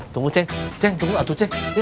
tunggu ceng ceng tunggu atuh ceng